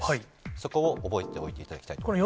そこを覚えておいていただきたいです。